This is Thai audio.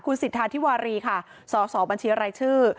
คุณสิทธาธิวารีค่ะสสบัญชีอะไรชื่อ